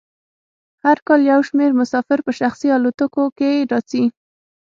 هر کال یو شمیر مسافر په شخصي الوتکو کې راځي